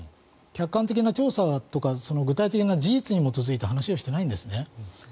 客観的な調査とか具体的な事実に基づいた話をしていないんですね。